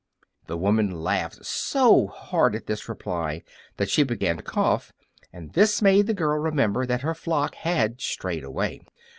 The woman laughed so hard at this reply that she began to cough, and this made the girl remember that her flock had strayed away.